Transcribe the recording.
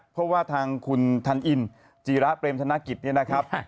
เพราะว่าทางคุณทันอินจีระเปรมธนกิจเนี่ยนะครับ